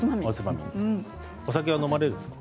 お酒は飲まれるんですか？